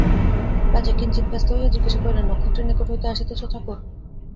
রাজা কিঞ্চিৎ ব্যস্ত হইয়া জিজ্ঞাসা করিলেন, নক্ষত্রের নিকট হইতে আসিতেছ ঠাকুর?